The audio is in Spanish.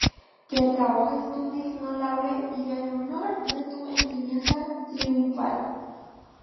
¡qué el trabajo es tu digno laurel y el honor es tu enseña triunfal!